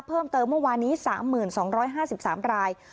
เพิ่มเติมเมื่อวานี้๓๐๒๕๓ราย